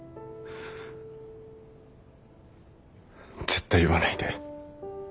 絶対言わないで。